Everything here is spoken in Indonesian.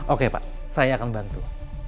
oke pak saya akan bantu